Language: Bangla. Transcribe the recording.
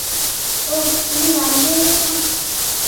ওহ তুমি লাল হয়ে গেছো!